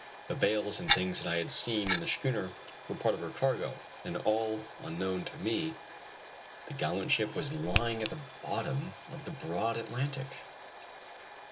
The bales and things that I had seen on the schooner were a part of her cargo, and all unknown to me the gallant ship was lying at the bottom of the broad Atlantic!